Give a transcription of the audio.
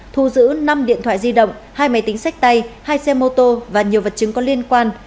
thu giữ năm điện thoại di động hai máy tính sách tay hai xe mô tô và nhiều vật chứng có liên quan